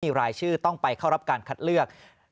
มีรายชื่อต้องไปเข้ารับการคัดเลือก